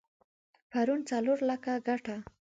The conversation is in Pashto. پرون څلور لکه ګټه؛